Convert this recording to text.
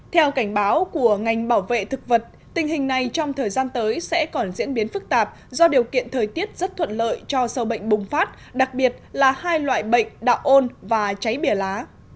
theo cảnh báo của ngành bảo vệ thực vật tình hình này trong thời gian tới sẽ còn diễn biến phức tạp do điều kiện thời tiết rất thuận lợi cho sâu bệnh bùng phát đặc biệt là hai loại bệnh đạo ôn và cháy bìa lá